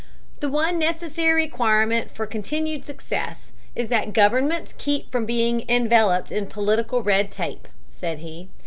"The one necessary requirement for continued success is that governments keep from being enveloped in political red tape," said he.